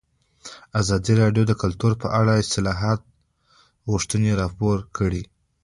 ازادي راډیو د کلتور په اړه د اصلاحاتو غوښتنې راپور کړې.